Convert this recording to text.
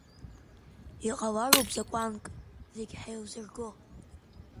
Иҟалароуп закәанк, зегь ҳаилзырго.